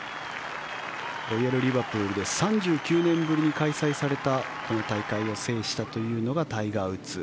ロイヤル・リバプールで３９年ぶりに開催されたこの大会を制したというのがこのタイガー・ウッズ。